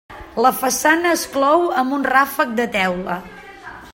La façana es clou amb un ràfec de teula.